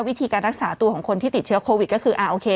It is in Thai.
วิธีการรักษาตัวของคนที่ติดเชื้อโควิดก็คือโอเค